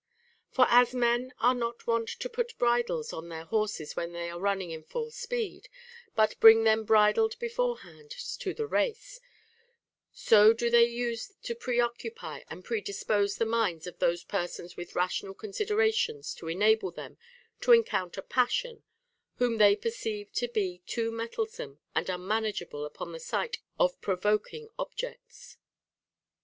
For as men are not wont to put bridles on their horses when they are running in full speed, but bring them bridled beforehand to the race ; so do they use to preoccupy and predispose the minds of those persons with rational consid erations to enable them to encounter passion, whom they TO HEAR POEMS. 81 perceive to be too mettlesome and unmanageable upon the sight of provoking objects.